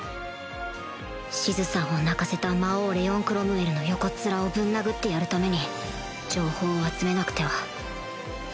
シズさんを泣かせた魔王レオン・クロムウェルの横っ面をぶん殴ってやるために情報を集めなくては